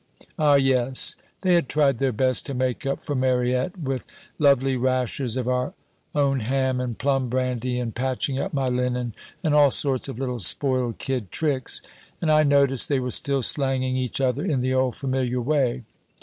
"Ah, yes. They had tried their best to make up for Mariette with lovely rashers of our own ham, and plum brandy, and patching up my linen, and all sorts of little spoiled kid tricks and I noticed they were still slanging each other in the old familiar way!